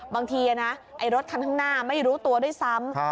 บางทีนะไอ้รถคันข้างหน้าไม่รู้ตัวด้วยซ้ำ